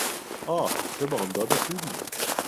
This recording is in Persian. آه! چه بامداد خوبی!